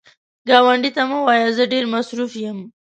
ګاونډي ته مه وایه “زه ډېر مصروف یم”